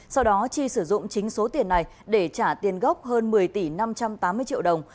sau đó chi sử dụng chính số tiền này để trả tiền gốc hơn một mươi tỷ năm trăm tám mươi triệu đồng